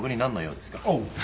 おう。